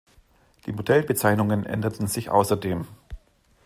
Die Modellbezeichnungen änderten sich außerdem.